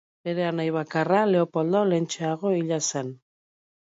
Bere anai bakarra, Leopoldo, lehentxeago hila zen.